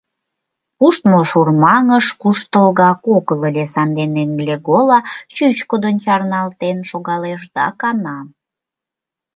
Пуштмо шурмаҥыш куштылгак огыл ыле, сандене Глегола чӱчкыдын чарналтен шогалеш да кана.